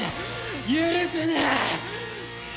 許せねえ！